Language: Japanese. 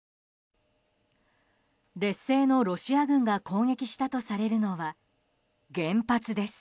劣勢のロシア軍が攻撃したとされるのは原発です。